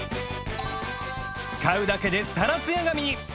使うだけでさらつや髪に